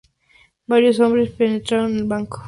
Varios hombres penetraron el banco.